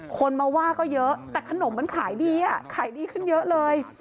คนมาว่าก็เยอะแต่ขนมมันขายดีอ่ะขายดีขึ้นเยอะเลย